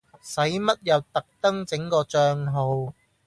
使乜又特登整個帳號